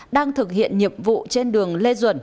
đang thực hiện nhiệm vụ trên đường lê duẩn